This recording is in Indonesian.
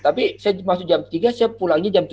tapi saya masuk jam tiga saya pulangnya jam tiga